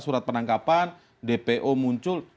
surat penangkapan dpo muncul